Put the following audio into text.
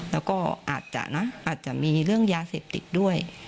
แล้วก็อาจจะนะอาจจะมีเรื่องยาเสพติดด้วย